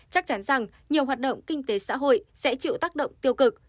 chắc chắn rằng nhiều hoạt động kinh tế xã hội sẽ chịu tác động tiêu cực